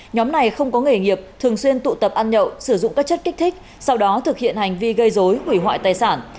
nhóm này không có nghề nghiệp thường xuyên tụ tập ăn nhậu sử dụng các chất kích thích sau đó thực hiện hành vi gây dối hủy hoại tài sản